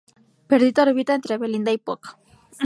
Perdita orbita entre Belinda y Puck.